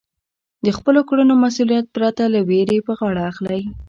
د خپلو کړنو مسؤلیت پرته له وېرې په غاړه اخلئ.